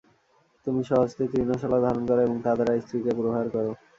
তুমি স্ব-হস্তে তৃণশলা ধারণ কর এবং তা দ্বারা স্ত্রীকে প্রহার কর।